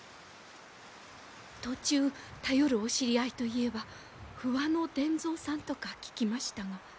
途中頼るお知り合いといえば不破の伝蔵さんとか聞きましたが。